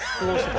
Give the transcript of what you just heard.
はい。